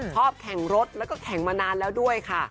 ชอบแข่งรถแล้วก็แข่งมานานแล้วด้วยค่ะ